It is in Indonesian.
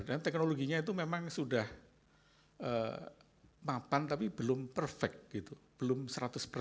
dan teknologinya itu memang sudah mapan tapi belum perfect gitu belum sempurna